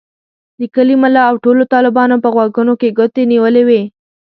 د کلي ملا او ټولو طالبانو په غوږونو کې ګوتې نیولې وې.